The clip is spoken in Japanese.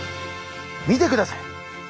見てください。